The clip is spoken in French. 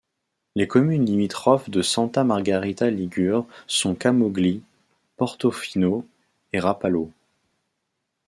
Les communes limitrophes de Santa Margherita Ligure sont Camogli, Portofino et Rapallo.